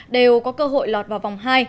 đều có cơ hội lọt vào vòng hai